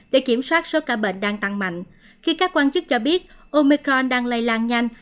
để kiểm soát số ca bệnh đang tăng mạnh khi các quan chức cho biết omicron đang lây lan nhanh